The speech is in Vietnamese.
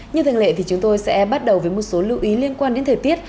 như thường lệ thì chúng tôi sẽ bắt đầu với một số lưu ý liên quan đến thời tiết